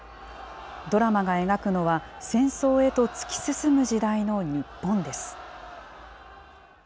ドラマが描くのは、戦争へと突き進む時代の日本です。